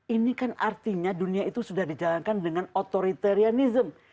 ini kan artinya dunia itu sudah dijalankan dengan authoritarianism